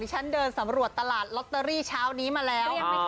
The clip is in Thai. ฉันเดินสำรวจตลาดลอตเตอรี่เช้านี้มาแล้ว